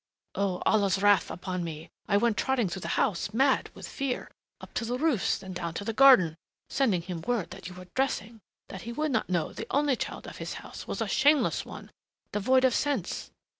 Oh, Allah's ruth upon me, I went trotting through the house, mad with fear.... Up to the roofs then down to the garden ... sending him word that you were dressing that he should not know the only child of his house was a shameless one, devoid of sense."